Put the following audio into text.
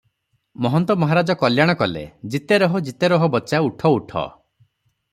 ମହନ୍ତ ମହାରାଜ କଲ୍ୟାଣ କଲେ, "ଜୀତେ ରହୋ - ଜୀତେ ରହୋ - ବଚ୍ଚା, ଉଠ - ଉଠ ।"